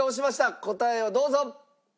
答えをどうぞ！